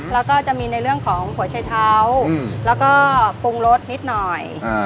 แล้วก็จะมีในเรื่องของหัวชัยเท้าแล้วก็ปรุงรสนิดหน่อย